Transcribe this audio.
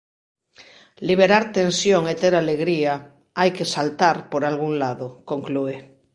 "Liberar tensión e ter alegría, hai que saltar por algún lado", conclúe.